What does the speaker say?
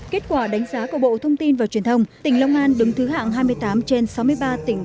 kết quả đánh giá của bộ thông tin và truyền thông tỉnh long an đứng thứ hạng hai mươi tám trên sáu mươi ba tỉnh